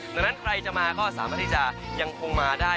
ดังนั้นใครจะมาก็สามารถที่จะยังคงมาได้